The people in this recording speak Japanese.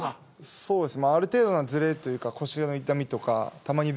そうですね。